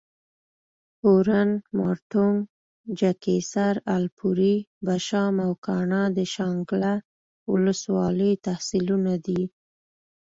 پورڼ، مارتونګ، چکېسر، الپورۍ، بشام او کاڼا د شانګله اولس والۍ تحصیلونه دي